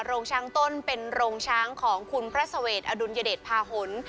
โรงช้างต้นเป็นโรงช้างของคุณพระสเวทอดุลยเดชภาหล